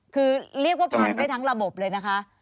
คือเรียกว่าพันได้ทั้งระบบเลยนะคะ